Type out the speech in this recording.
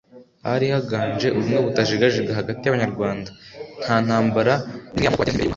harihaganje ubumwe butajegajega hagati y'Abanyarwanda: nta ntambara n'imwey'amoko bagiranye mbere y'uwo mwaka.